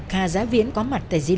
hà giá viễn có mặt tại di linh